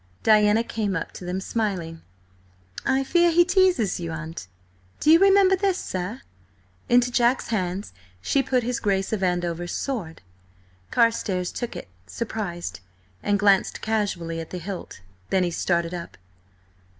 Diana came up to them smiling. "I fear he teases you, aunt. Do you remember this, sir?" Into Jack's hands she put his Grace of Andover's sword. Carstares took it, surprised, and glanced casually at the hilt. Then he started up.